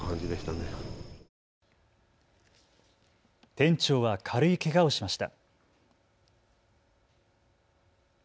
店長は軽いけがをしました。